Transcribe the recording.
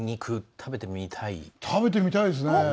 食べてみたいですね。